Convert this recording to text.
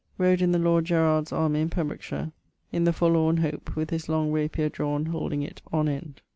Rode in the lord Gerard's army in Pembrokeshire, in the forlorne hope, with his long rapier drawne holding it on end.